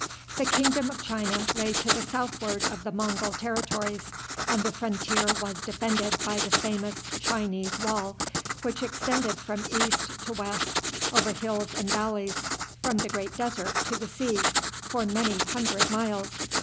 The kingdom of China lay to the southward of the Mongul territories, and the frontier was defended by the famous Chinese wall, which extended from east to west, over hills and valleys, from the great desert to the sea, for many hundred miles.